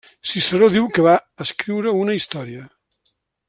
Ciceró diu que va escriure una història.